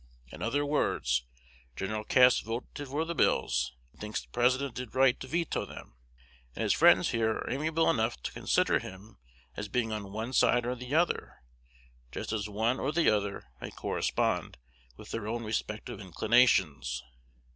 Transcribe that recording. In other words, Gen. Cass voted for the bills, and thinks the President did right to veto them; and his friends here are amiable enough to consider him as being on one side or the other, just as one or the other may correspond with their own respective inclinations.